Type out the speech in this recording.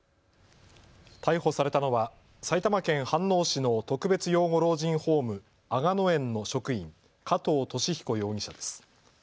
逮捕されたのは埼玉県飯能市の特別養護老人ホーム、吾野園の職員、加藤肇彦容疑者です。